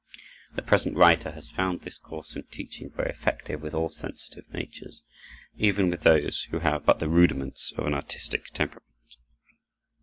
The present writer has found this course in teaching very effective with all sensitive natures, even with those who have but the rudiments of an artistic temperament.